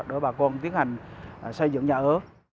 để bà con tiến hành xây dựng nhà ở